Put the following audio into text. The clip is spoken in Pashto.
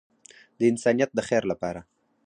د انسانیت د خیر لپاره.